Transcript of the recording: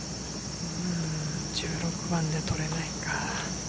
１６番で取れないか。